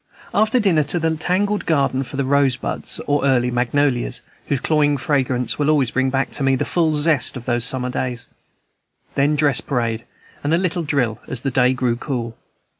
After dinner, to the tangled garden for rosebuds or early magnolias, whose cloying fragrance will always bring back to me the full zest of those summer days; then dress parade and a little drill as the day grew cool.